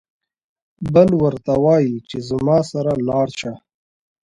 بل ورته وايي چې زما سره لاړ شه.